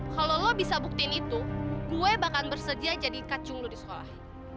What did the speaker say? kalau lo bisa buktiin itu gue bakal bersedia jadi kacung lo di sekolah